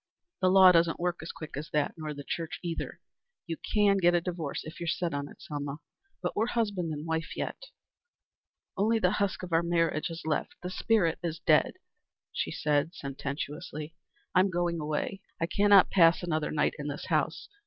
"The law doesn't work as quick as that, nor the church either. You can get a divorce if you're set on it, Selma. But we're husband and wife yet." "Only the husk of our marriage is left. The spirit is dead," she said sententiously. "I am going away. I cannot pass another night in this house.